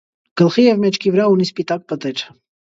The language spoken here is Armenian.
Գլխի և մեջքի վրա ունի սպիտակ պտեր։